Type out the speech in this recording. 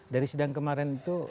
dari sidang kemarin itu